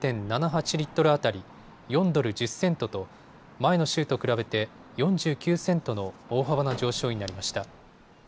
リットル当たり４ドル１０セントと前の週と比べて４９セントの大幅な上昇になりました。